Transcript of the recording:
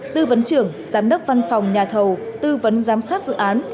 tư vấn trưởng giám đốc văn phòng nhà thầu tư vấn giám sát dự án